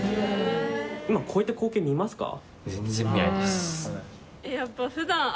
今こういった光景見ますか？